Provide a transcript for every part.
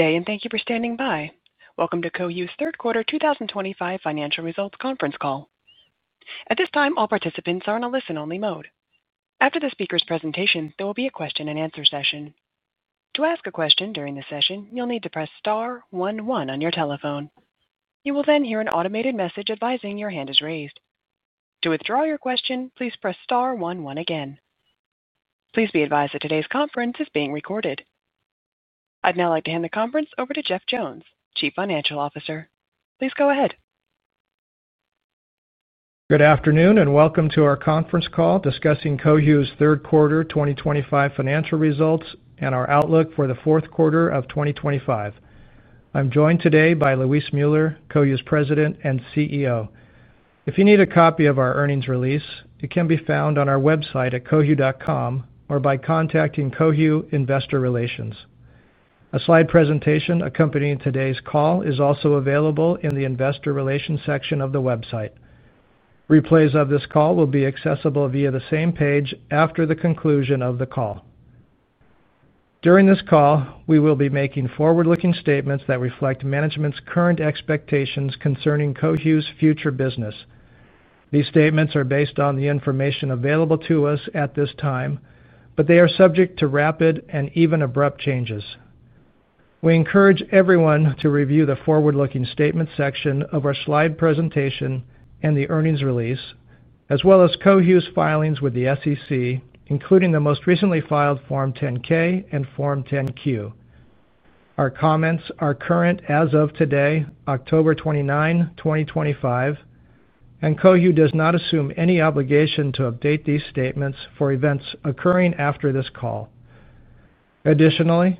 Good day and thank you for standing by. Welcome to Cohu Inc's Third Quarter 2025 Financial Results Conference Call. At this time, all participants are in a listen only mode. After the speaker's presentation, there will be a question and answer session. To ask a question during the session, you'll need to press star 11 on your telephone. You will then hear an automated message advising your hand is raised. To withdraw your question, please press star 11. Please be advised that today's conference is being recorded. I'd now like to hand the conference over to Jeff Jones, Chief Financial Officer. Please go ahead. Good afternoon and welcome to our conference call discussing Cohu Inc's Third Quarter 2025 Financial Results and our outlook for the fourth quarter of 2025. I'm joined today by Luis Müller, Cohu's President and CEO. If you need a copy of our earnings release, it can be found on our website at Cohu.com or by contacting Cohu Investor Relations. A slide presentation accompanying today's call is also available in the Investor Relations section of the website. Replays of this call will be accessible via the same page after the conclusion of the call. During this call, we will be making forward-looking statements that reflect management's current expectations concerning Cohu's future business. These statements are based on the information available to us at this time, but they are subject to rapid and even abrupt changes. We encourage everyone to review the Forward-Looking Statements section of our slide presentation and the earnings release, as well as Cohu's filings with the SEC, including the most recently filed Form 10-K and Form 10-Q. Our comments are current as of today on October 29, 2025, and Cohu does not assume any obligation to update these statements for events occurring after this call. Additionally,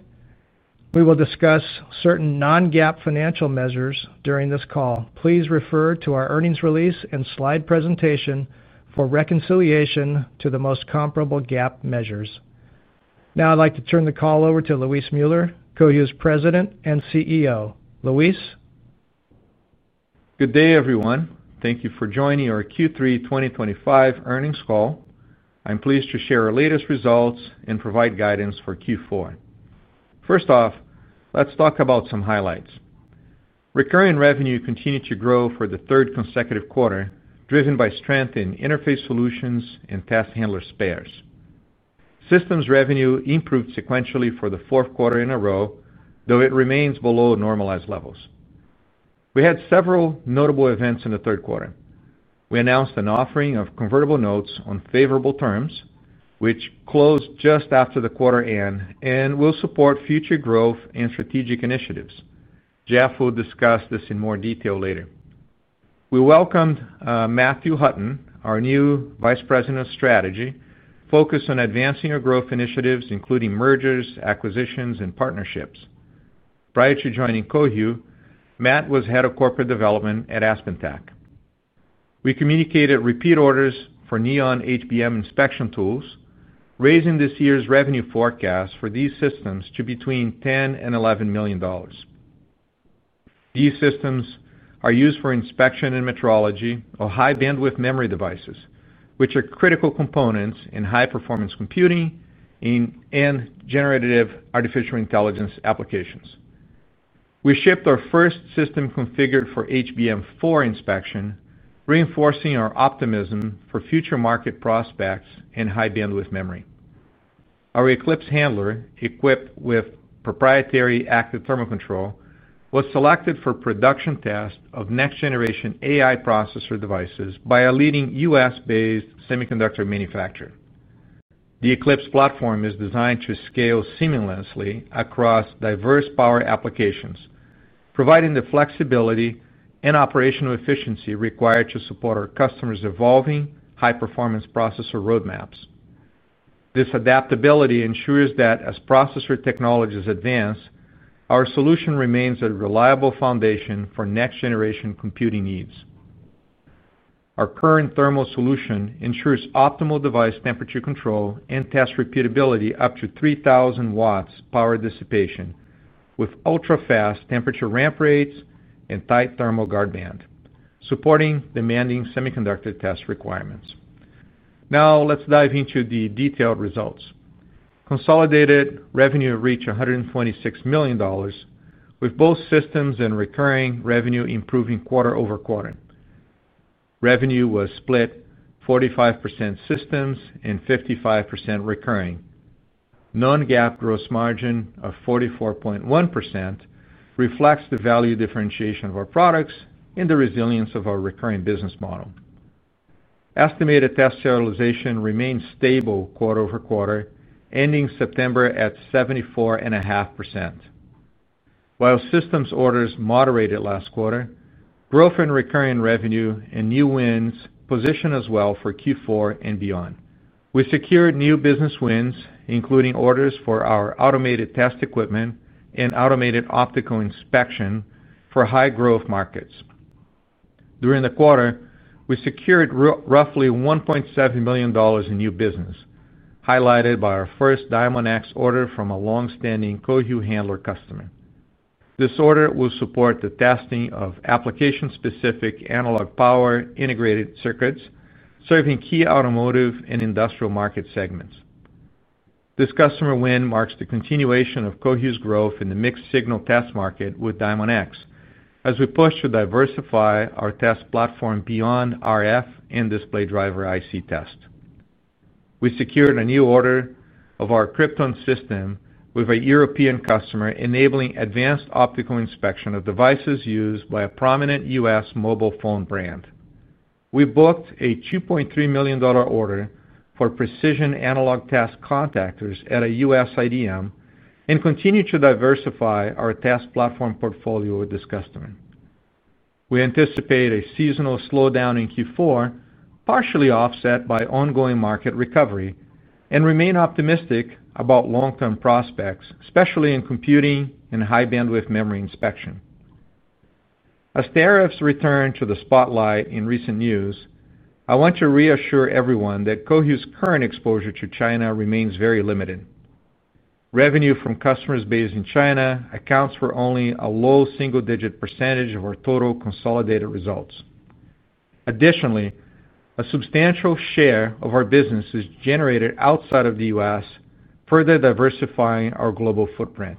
we will discuss certain non-GAAP financial measures during this call. Please refer to our earnings release and slide presentation for reconciliation to the most comparable GAAP measures. Now I'd like to turn the call over to Luis Müller, Cohu's President and CEO. Luis. Good day everyone. Thank you for joining our Q3 2025 earnings call. I'm pleased to share our latest results and provide guidance for Q4. First off, let's talk about some highlights. Recurring revenue continued to grow for the third consecutive quarter, driven by strength in interface solutions and test handler spares systems. Revenue improved sequentially for the fourth quarter in a row, though it remains below normalized levels. We had several notable events in the third quarter. We announced an offering of convertible notes on favorable terms, which closed just after the quarter end and will support future growth and strategic initiatives. Jeff will discuss this in more detail later. We welcomed Matthew Hutton, our new Vice President of Strategy, focused on advancing our growth initiatives including mergers, acquisitions, and partnerships. Prior to joining Cohu, Matt was Head of Corporate Development at AspenTac. We communicated repeat orders for NEON HBM inspection tools, raising this year's revenue forecast for these systems to between $10 million and $11 million. These systems are used for inspection and metrology of high bandwidth memory devices, which are critical components in high performance computing and generative artificial intelligence applications. We shipped our first system configured for HBM4 inspection, reinforcing our optimism for future market prospects and high bandwidth memory. Our Eclipse handler, equipped with proprietary active thermal control, was selected for production test of next generation AI processor devices by a leading U.S.-based semiconductor manufacturer. The Eclipse platform is designed to scale seamlessly across diverse power applications, providing the flexibility and operational efficiency required to support our customers' evolving high performance processor roadmaps. This adaptability ensures that as processor technologies advance, our solution remains a reliable foundation for next generation computing needs. Our current thermal solution ensures optimal device temperature control and test repeatability up to 3,000 W power dissipation with ultra fast temperature ramp rates and tight thermal guard band, supporting demanding semiconductor test requirements. Now let's dive into the detailed results. Consolidated revenue reached $126 million, with both systems and recurring revenue improving quarter over quarter. Revenue was split 45% systems and 55% recurring. Non-GAAP gross margin of 44.1% reflects the value differentiation of our products and the resilience of our recurring business model. Estimated test sterilization remains stable quarter over quarter, ending September at 74.5%. While systems orders moderated last quarter, growth in recurring revenue and new wins position us well for Q4 and beyond. We secured new business wins, including orders for our automated test equipment and automated optical inspection for high growth markets. During the quarter, we secured roughly $1.7 million in new business, highlighted by our first DiamondX order from a long standing Cohu handler customer. This order will support the testing of application specific analog power integrated circuits serving key automotive and industrial market segments. This customer win marks the continuation of Cohu's growth in the mixed signal test market with DiamondX as we push to diversify our test platform beyond RF and. Display driver IC test. We secured a new order of our Krypton system with a European customer, enabling advanced optical inspection of devices used by a prominent U.S. mobile phone brand. We booked a $2.3 million order for precision analog test contactors at a U.S. IDM and continue to diversify our test platform portfolio with this customer. We anticipate a seasonal slowdown in Q4, partially offset by ongoing market recovery, and remain optimistic about long term prospects, especially in computing and high bandwidth memory inspection. As tariffs return to the spotlight in recent news, I want to reassure everyone that Cohu's current exposure to China remains very limited. Revenue from customers based in China accounts for only a low single digit % of our total consolidated results. Additionally, a substantial share of our business is generated outside of the U.S., further diversifying our global footprint.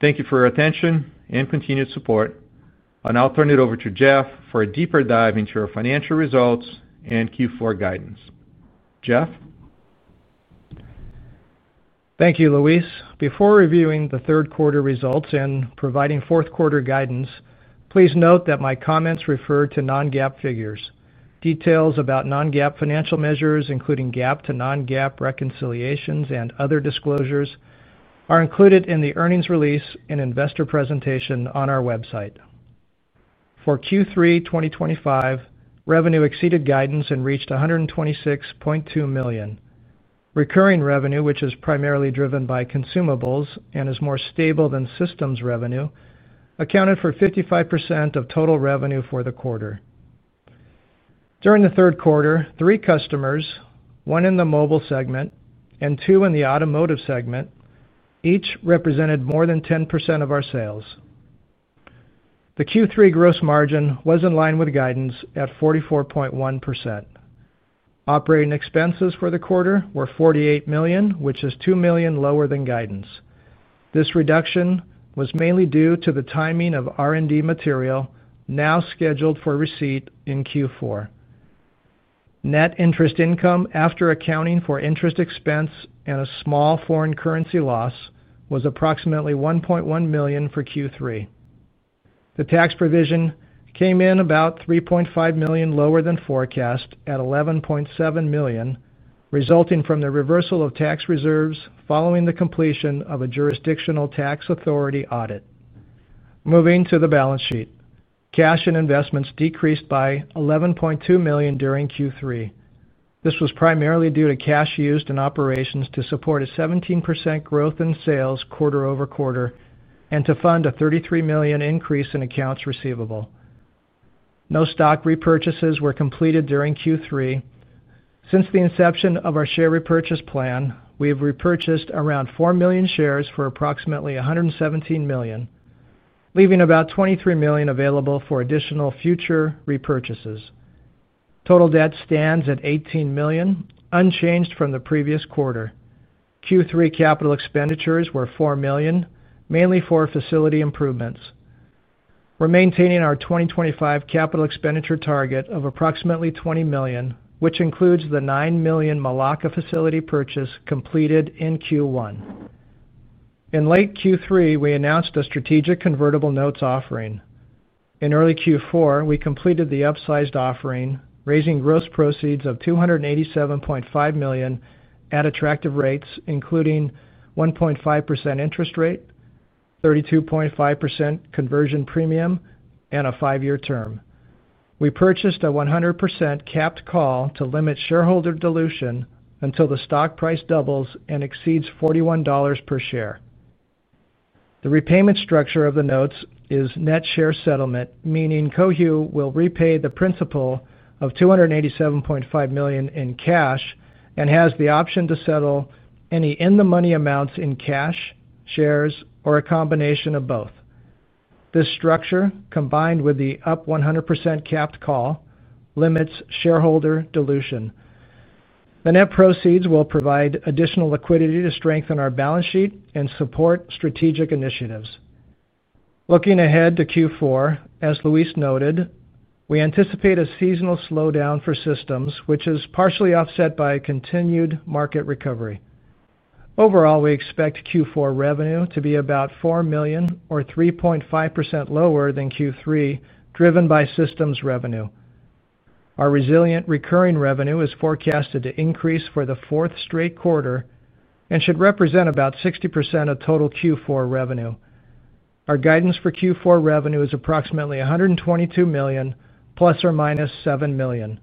Thank you for your attention and continued support. I'll now turn it over to Jeff for a deeper dive into our financial results and Q4 guidance. Jeff. Thank you, Luis. Before reviewing the third quarter results and providing fourth quarter guidance, please note that my comments refer to non-GAAP figures. Details about non-GAAP financial measures, including GAAP to non-GAAP reconciliations and other disclosures, are included in the earnings release and investor presentation on our website. For Q3 2025, revenue exceeded guidance and reached $126.2 million. Recurring revenue, which is primarily driven by consumables and is more stable than systems revenue, accounted for 55% of total revenue for the quarter. During the third quarter, three customers, one in the mobile segment and two in the automotive segment, each represented more than 10% of our sales. The Q3 gross margin was in line with guidance at 44.1%. Operating expenses for the quarter were $48 million, which is $2 million lower than guidance. This reduction was mainly due to the timing of R&D material now scheduled for receipt in Q4. Net interest income, after accounting for interest expense and a small foreign currency loss, was approximately $1.1 million. For Q3, the tax provision came in about $3.5 million lower than forecast at $11.7 million, resulting from the reversal of tax reserves following the completion of a jurisdictional tax authority audit. Moving to the balance sheet, cash and investments decreased by $11.2 million during Q3. This was primarily due to cash used in operations to support a 17% growth in sales quarter over quarter and to fund a $33 million increase in accounts receivable. No stock repurchases were completed during Q3. Since the inception of our share repurchase plan, we have repurchased around 4 million shares for approximately $117 million, leaving about $23 million available for additional future repurchases. Total debt stands at $18 million, unchanged from the previous quarter. Q3 capital expenditures were $4 million, mainly for facility improvements. We're maintaining our 2025 capital expenditure target of approximately $20 million, which includes the $9 million Melaka facility purchase completed in Q1. In late Q3, we announced a strategic convertible notes offering. In early Q4, we completed the upsized offering, raising gross proceeds of $287.5 million at attractive rates including a 1.5% interest rate, 32.5% conversion premium, and a five-year term. We purchased a 100% capped call to limit shareholder dilution until the stock price doubles and exceeds $41 per share. The repayment structure of the notes is net share settlement, meaning Cohu will repay the principal of $287.5 million in cash and has the option to settle any in-the-money amounts in cash, shares, or a combination of both. This structure, combined with the up 100% capped call, limits shareholder dilution. The net proceeds will provide additional liquidity to strengthen our balance sheet and support strategic initiatives. Looking ahead to Q4, as Luis Müller noted, we anticipate a seasonal slowdown for systems, which is partially offset by continued market recovery. Overall, we expect Q4 revenue to be about $4 million or 3.5% lower than Q3, driven by systems revenue. Our resilient recurring revenue is forecasted to increase for the fourth straight quarter and should represent about 60% of total Q4 revenue. Our guidance for Q4 revenue is approximately $122 million plus or minus $7 million.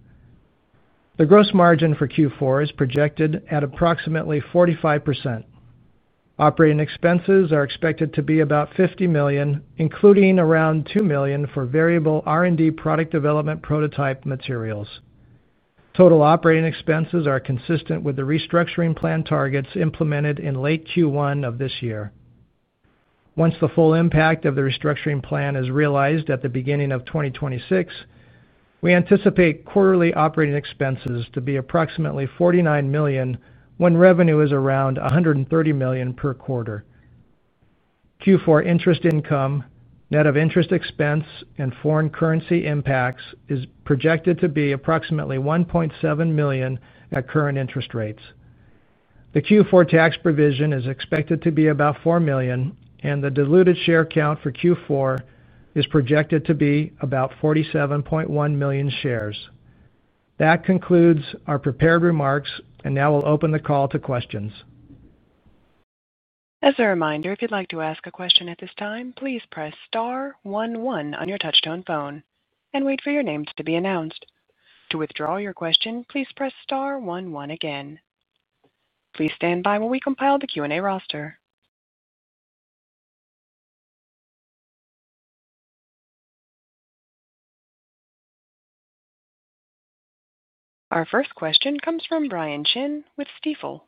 The gross margin for Q4 is projected at approximately 45%. Operating expenses are expected to be about $50 million, including around $2 million for variable R&D, product development, and prototype materials. Total operating expenses are consistent with the restructuring plan targets implemented in late Q1 of this year. Once the full impact of the restructuring plan is realized at the beginning of 2026, we anticipate quarterly operating expenses to be approximately $49 million when revenue is around $130 million per quarter. Q4 interest income, net of interest expense and foreign currency impacts, is projected to be approximately $1.7 million. At current interest rates, the Q4 tax provision is expected to be about $4 million, and the diluted share count for Q4 is projected to be about 47.1 million shares. That concludes our prepared remarks, and now we'll open the call to questions. As a reminder, if you'd like to ask a question at this time, please press star 11 on your touchtone phone and wait for your names to be announced. To withdraw your question, please press star 11 again. Please stand by while we compile the Q&A roster. Our first question comes from Brian Chin with Stifel.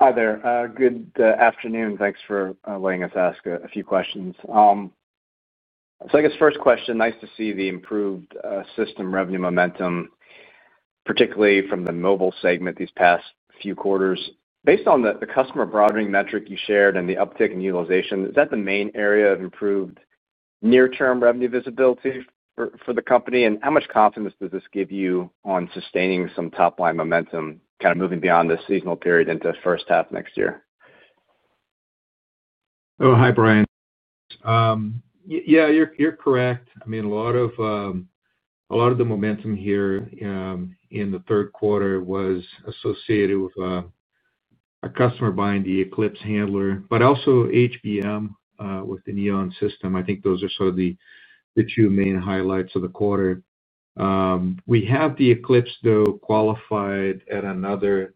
Hi there. Good afternoon. Thanks for letting us ask a few questions. I guess first question, nice to see the improved system revenue momentum, particularly from the mobile segment these past few quarters. Based on the customer broadening metric you shared and the uptick in utilization, is that the main area of improved? Near term revenue visibility for the company. How much confidence does this give you on sustaining some top line momentum, kind of moving beyond the seasonal period into the first half next year? Oh, hi Brian. Yeah, you're correct. I mean, a lot of the momentum. Here in the third quarter was associated with a customer buying the Eclipse handler, but also HBM with the NEON HBM inspection tools. I think those are sort of the two main highlights of the quarter. We have the Eclipse though qualified at another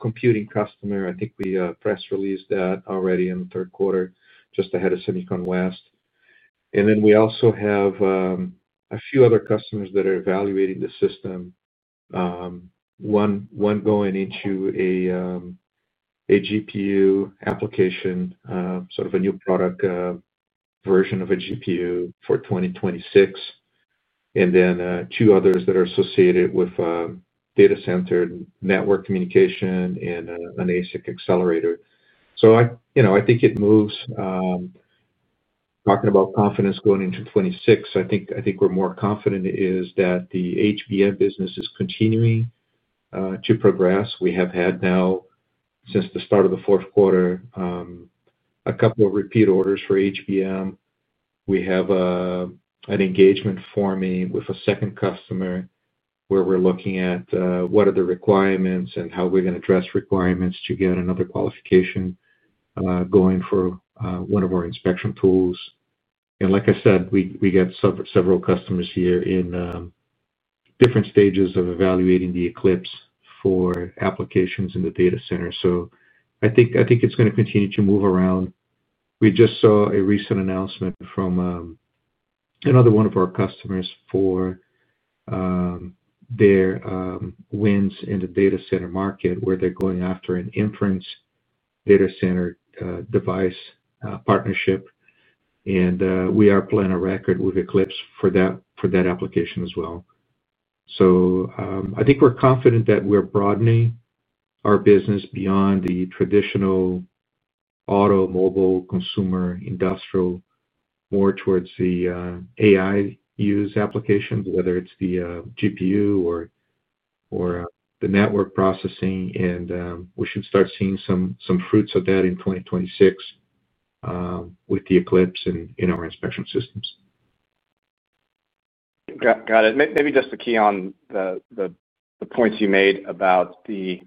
computing customer. I think we press released that already in the third quarter just ahead of Semicon West. We also have a few other customers that are evaluating the system. One going into a GPU application, sort of a new product version of a GPU for 2026, and two others that are associated with data center network communication and an ASIC accelerator. I think it moves. Talking about confidence going into 2026, I think we're more confident that the HBM business is continuing to progress. We have had now since the start of the fourth quarter a couple of repeat orders for HBM. We have an engagement forming with a second customer where we're looking at what are the requirements and how we're going to address requirements to get another qualification going for one of our inspection tools. Like I said, we get several customers here in different stages of evaluating the Eclipse for applications in the data center. I think it's going to continue to move around. We just saw a recent announcement from another one of our customers. Their. Wins in the data center market where they're going after an inference data center device partnership, and we are playing a record with Eclipse handler platform for that application as well. I think we're confident that we're broadening our business beyond the traditional auto, mobile, consumer, industrial, more towards the AI use applications, whether it's the GPU or the network processing. We should start seeing some fruits of that in 2026 with the Eclipse handler platform and in our inspection systems. Got it. Maybe just to key on the points you made about the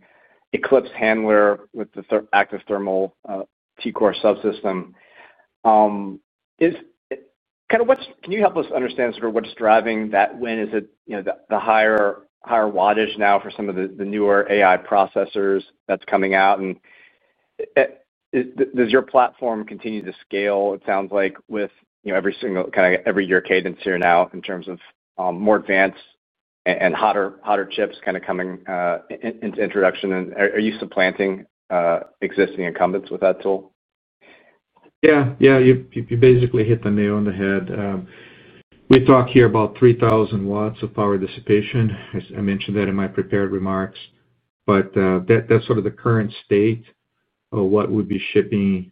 Eclipse handler with the active thermal control subsystem. Can you help us understand sort of what's driving that win? Is it the higher wattage now for some of the newer AI processors that's coming out and does your platform continue to scale? It sounds like with every single kind of every year cadence here now in terms of more advanced and hotter chips kind of coming into introduction. Are you supplanting existing incumbents with that tool? Yeah, yeah. You basically hit the nail on the head. We talk here about 3,000 W of power dissipation. I mentioned that in my prepared remarks. That's sort of the current state of what would be shipping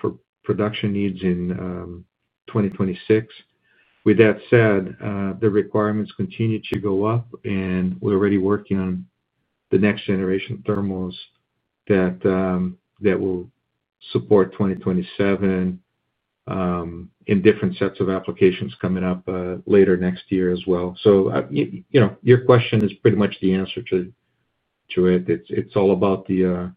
for production needs in 2026. The requirements continue to go up and we're already working on the next generation thermals that will support 2027 in different sets of applications coming up later next year as well. Your question is pretty much the answer to it. It's all about the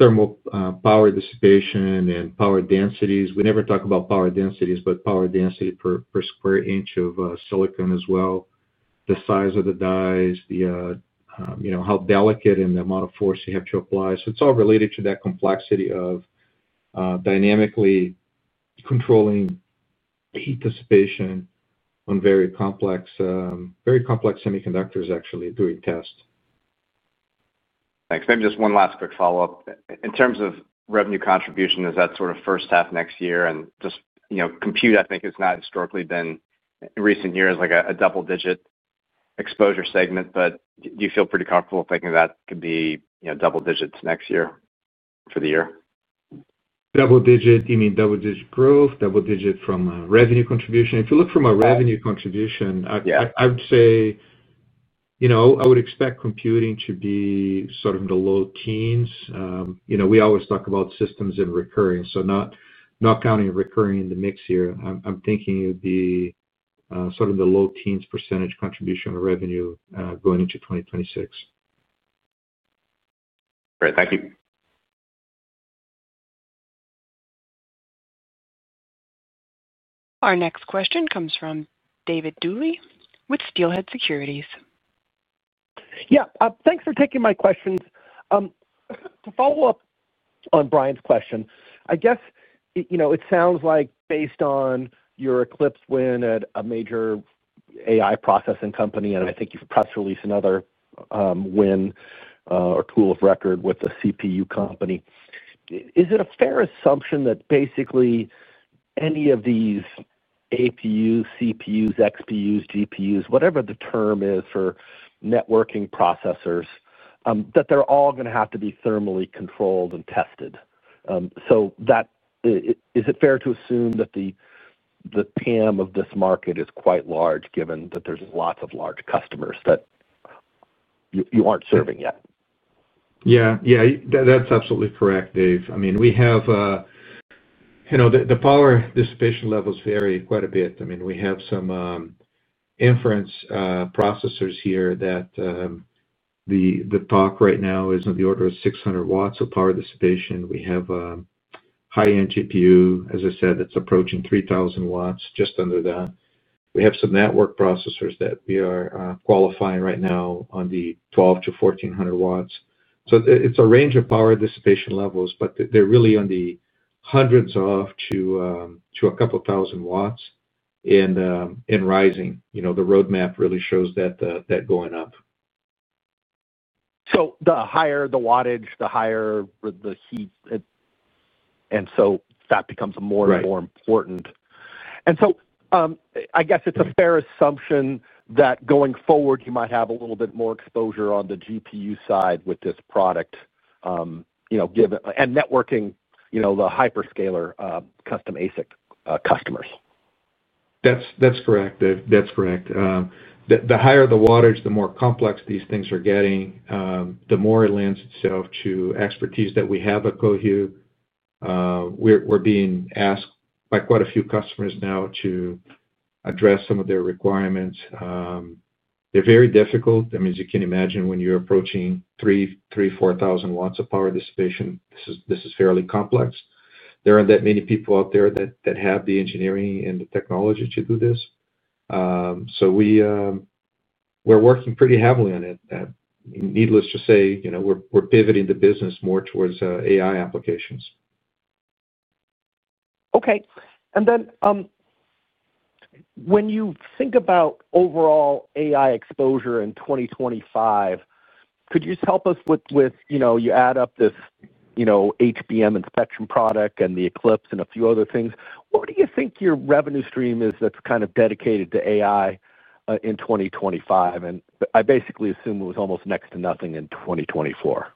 thermal power dissipation and power densities. We never talk about power densities, but power density per square inch of silicon as well, the size of the dies, how delicate and the amount of force you have to apply. It's all related to that complexity of dynamically controlling heat dissipation on very complex graduates, complex semiconductors actually doing tests. Thanks. Maybe just one last quick follow-up. In terms of revenue contribution, is that sort of first half next year, and just, you know, compute, I think, has not historically been in recent years like a double-digit exposure segment. Do you feel pretty comfortable thinking that could be, you know, double digits? Next year for the year, double digit? You mean double digit growth? Double digit from revenue contribution? If you look from a revenue contribution, I would say I would expect computing to be sort of in the low teens. You know, we always talk about systems and recurring. Not counting recurring in the mix here, I'm thinking it would be sort of the low teens % contribution of revenue going into 2026. Great, thank you. Our next question comes from David Dooley with Steelhead Securities. Yeah, thanks for taking my questions. To follow up on Brian's question, I guess it sounds like based on your Eclipse win at a major AI processing company, and I think you press released another win or tool of record with a CPU company, is it a fair assumption that basically any of these APUs, CPUs, XPUs, GPUs, whatever the term is for networking processors, that they're all going to have to be thermally controlled and tested? Is it fair to assume that the PAM of this market is quite large given that there's lots of large customers that you aren't serving yet? Yeah, that's absolutely correct, Dave. I mean we have the. Power dissipation levels vary quite a bit. I mean, we have some inference processors here that the talk right now is on the order of 600 W of power dissipation. We have high-end GPU, as I said, it's approaching 3,000 W. Just under that, we have some network processors that we are qualifying right now on the 1,200-1,400 W. It's a range of power dissipation levels, but they're really in the hundreds, up to a couple thousand W and rising. The roadmap really shows that going up. The higher the wattage, the higher the heat, and that becomes more and more important. I guess it's a fair assumption that going forward you might have a little bit more exposure on the GPU side with this product and networking the hyperscaler custom ASIC customers. That's correct. That's correct. The higher the wattage, the more complex. These things are getting, the more it lends itself to expertise that we have at Cohu. We're being asked by quite a few customers now to address some of their requirements. There's. They're very difficult, as you can imagine, when you're approaching 3,400 W of power dissipation. This is fairly complex. There aren't that many people out there that have the engineering and the technology to do this. We're working pretty heavily on it. Needless to say, we're pivoting the business more towards AI applications. Okay. When you think about overall AI exposure in 2025, could you just help us with, you know, you add up this HBM inspection product and the Eclipse and a few other things. What do you think your revenue stream is that's kind of dedicated to AI in 2025, and I basically assume it was almost next to nothing in 2024.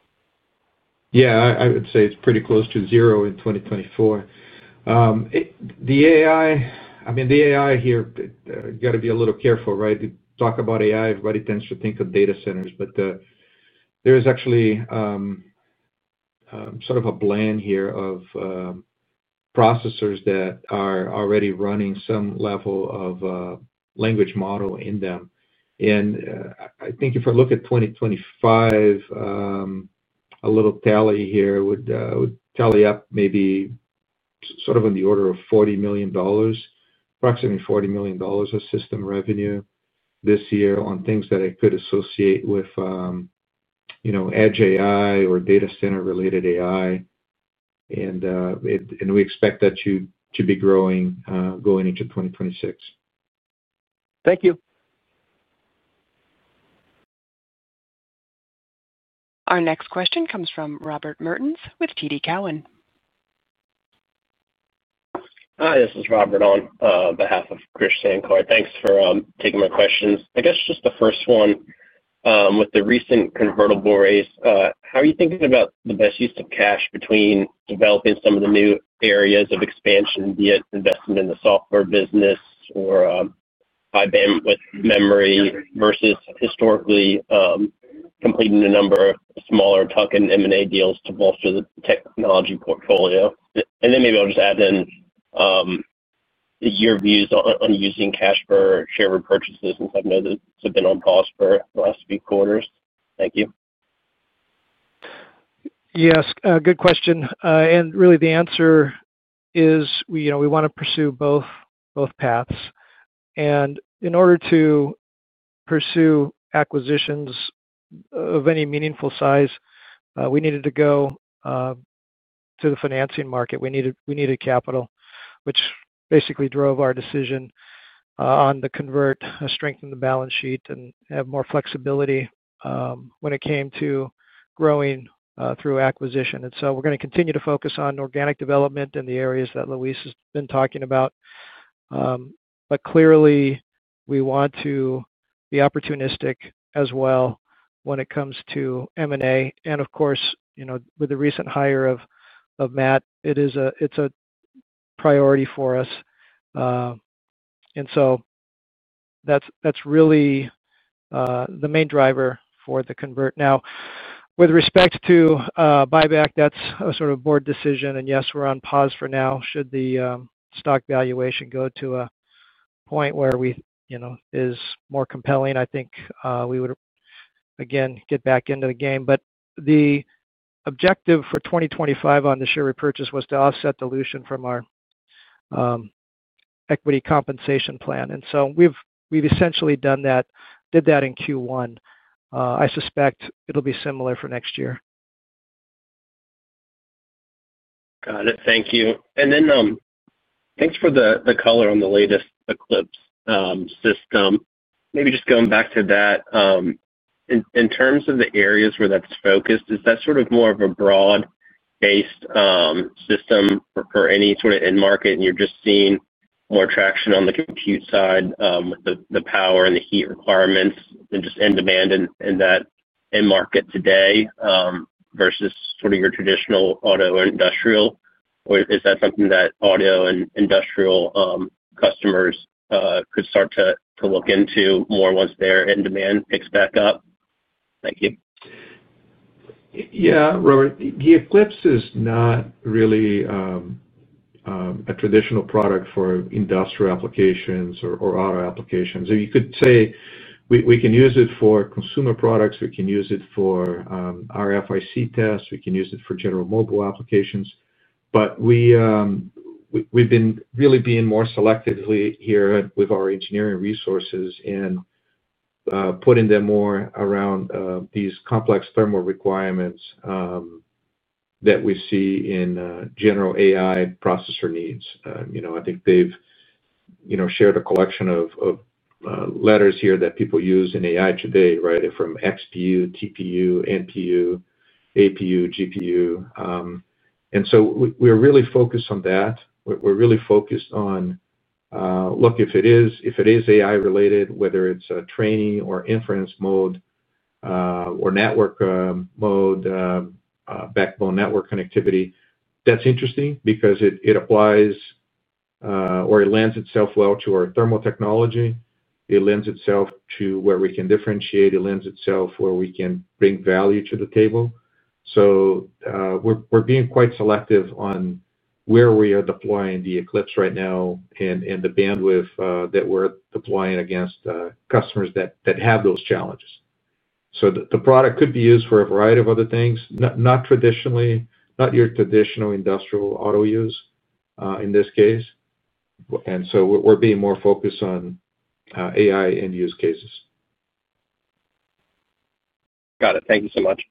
Yeah, I would say it's pretty close. To zero in 2024. The AI here, got to be a little careful, right? Talk about AI, everybody tends to think. Of data centers, there is actually sort of a blend here of processors that are already running some level of language model in them. I think if I look at 2025, a little tally here would tally up maybe sort of on the order of $40 million, approximately $40 million of system revenue this year on things that I could associate with Edge AI or data center related AI. We expect that to be growing going into 2026. Thank you. Our next question comes from Robert Mertens with TD Cowen. Hi, this is Robert. On behalf of Krish Sancar, thanks for taking my questions. I guess just the first one. With the recent convertible raise, how are you thinking about the best use of cash between developing some of the new areas of expansion, be it investment in the software business or high bandwidth memory, versus historically completing a number of smaller tuck-in M&A deals to bolster the technology portfolio? Maybe I'll just add in your views on using cash for share repurchases since I know they've been on pause for the last few quarters. Thank you. Yes, good question. Really the answer is we want to pursue both paths. In order to pursue acquisitions of any meaningful size, we needed to go to the financing market. We needed capital, which basically drove our decision on the convert, strengthen the balance sheet and have more flexibility when it came to growing through acquisition. We're going to continue to focus on organic development in the areas that Luis has been talking about. Clearly we want to be opportunistic as well when it comes to M&A. Of course, with the recent hire of Matt, it's a priority for us. That's really the main driver for the convert. Now with respect to buyback, that's a sort of board decision. Yes, we're on pause for now. Should the stock valuation go to a point where we, you know, is more compelling, I think we would again get back into the game. The objective for 2025 on the share repurchase was to offset dilution from our equity compensation plan. We've essentially done that, did that in Q1. I suspect it'll be similar for next year. Got it. Thank you. Thanks for the color on the latest Eclipse system. Maybe just going back to that in terms of the areas where that's focused, is that sort of more of a broad-based system for any sort of end market, and you're just seeing more traction on the compute side, the power and the heat requirements, and just end demand in that end market today versus your traditional auto, industrial, or is that something that auto and industrial customers could start to look into more once their end demand picks back up? Thank you. Yeah. Robert, the Eclipse handler platform is not really. A. Traditional product for industrial applications or auto applications. You could say we can use it. For consumer products, we can use it for RFIC tests, we can use it for general mobile applications. We have been really being more selective. Here with our engineering resources in putting them more around these complex thermal requirements that we see in general AI processor needs. I think they've shared a collection of letters here that people use in AI today from XPU, TPU, NPU, APU, GPU. We're really focused on that. We're really focused on, look, if it is AI related, whether it's training or inference mode or network mode, backbone network connectivity. That's interesting because it applies or it lends itself well to our thermal technology. It lends itself to where we can differentiate. It lends itself where we can bring value to the table. We're being quite selective on where we are deploying the Eclipse right now and the bandwidth that we're deploying against customers that have those challenges. The product could be used for a variety of other things, not traditionally, not your traditional industrial auto use in this case. We're being more focused on AI end use cases. Got it. Thank you so much.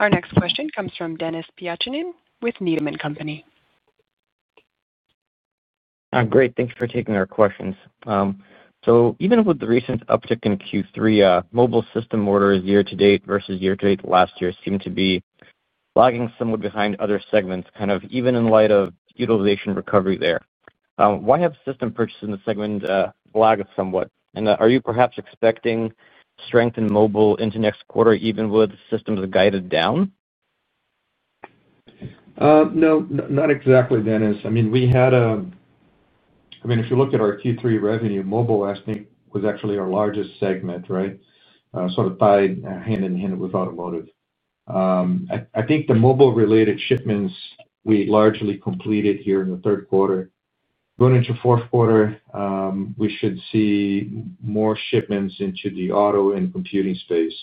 Our next question comes from Dennis Piatchinen with Needham & Company. Great, thank you for taking our questions. Even with the recent uptick in Q3 mobile system orders year to date versus year to date last year, it seems. To be lagging somewhat behind other segments. Even in light of utilization recovery there. Why have system purchases in the segment lagged somewhat? Are you perhaps expecting strength in mobile into next quarter even with systems guided down? No, not exactly, Dennis. I mean, if you look at our Q3 revenue. Mobile I think was actually our largest segment, right, sort of tied hand in hand with automotive. I think the mobile related shipments we largely completed here in the third quarter going into fourth quarter. We should see more shipments into the auto and computing space.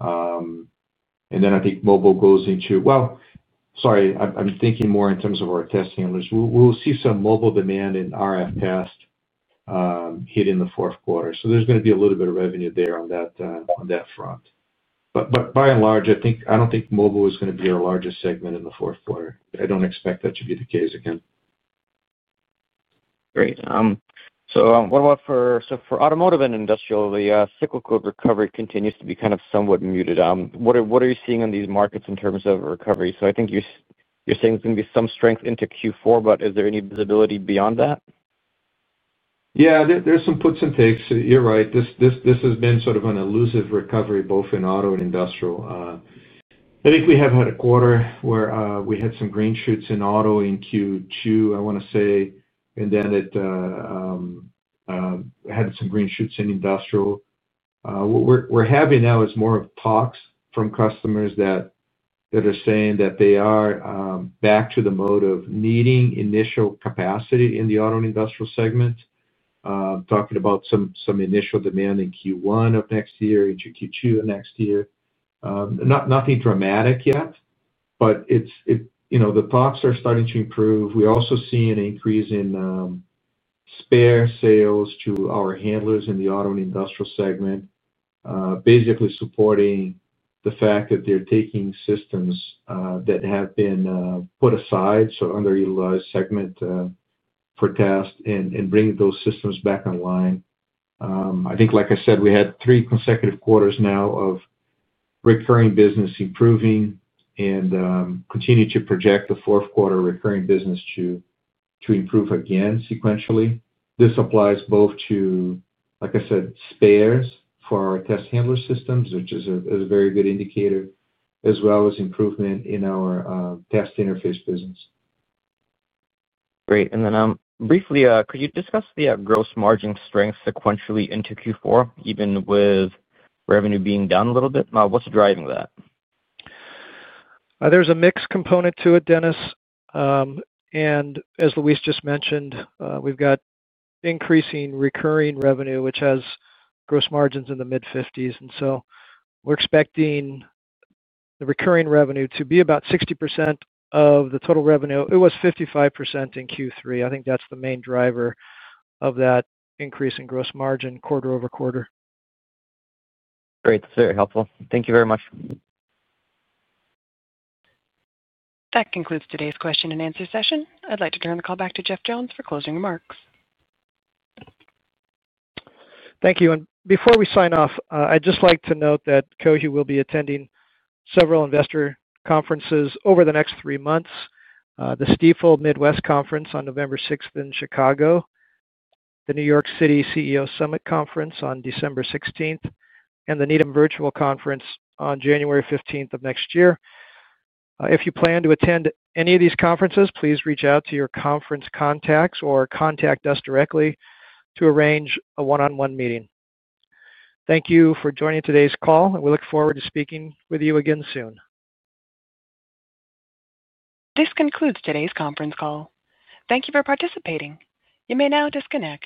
I think mobile goes into, I'm thinking more in terms of our test handlers. We will see some mobile demand in RF test hit in the fourth quarter. There's going to be a little bit of revenue there on that front. By and large I don't think mobile is going to be our largest segment in the fourth quarter. I don't expect that to be the case again. Great. What about for automotive and industrial? The cyclical recovery continues to be kind of somewhat muted. What are you seeing in these markets in terms of recovery? I think you're saying there's going to be some strength into Q4, but is there any visibility beyond that? Yeah, there's some puts and takes. You're right. This has been sort of elusive. Recovery both in auto and industrial. I think we have had a quarter. Where we had some green shoots in auto in Q2, I want to say, it had some green shoots in industrial. What we're having now is more of. Talks from customers that are saying that they are back to the mode of needing initial capacity in the auto and industrial segment. Talking about some initial demand in Q1 of next year, into Q2 next year. Nothing dramatic yet, but the thoughts are starting to improve. We also see an increase in spare sales to our handlers in the auto and industrial segment, basically supporting the fact that they're taking systems that have been put aside, so underutilized segment for test, and bringing those systems back online. I think, like I said, we had three consecutive quarters now of recurring business improving and continue to project the fourth quarter recurring business to improve again sequentially. This applies both to, like I said, spares for our test handler systems, which is a very good indicator, as well as improvement in our test interface business. Great. Could you discuss the gross margin strength sequentially into Q4, even with revenue being down a little bit. What's driving that? There's a mix component to it, Dennis. As Luis Müller just mentioned, we've got increasing recurring revenue which has gross margins in the mid-50%. We're expecting the recurring revenue to be about 60% of the total revenue. It was 55% in Q3. I think that's the main driver of that increase in gross margin quarter over quarter. Great. That's very helpful. Thank you very much. That concludes today's question and answer session. I'd like to turn the call back to Jeff Jones for closing remarks. Thank you. Before we sign off, I'd just like to note that Cohu will be attending several investor conferences over the next three months: the Stifel Midwest Conference on November 6th in Chicago, the New York City CEO Summit Conference on December 16th, and the Needham Virtual Conference on January 15th of next year. If you plan to attend any of these conferences, please reach out to your conference contacts or contact us directly to arrange a one on one meeting. Thank you for joining today's call and we look forward to speaking with you again soon. This concludes today's conference call. Thank you for participating. You may now disconnect.